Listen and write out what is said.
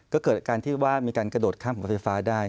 ก็เกิดอาการที่ว่ามีการกระโดดข้ามหัวไฟฟ้าได้